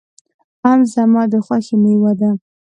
آم زما د خوښې مېوه ده.